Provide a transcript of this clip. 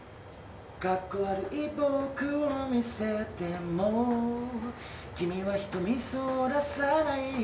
「カッコ悪い僕を見せても君は瞳そらさない」